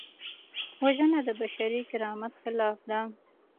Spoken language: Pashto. وژنه د بشري کرامت خلاف ده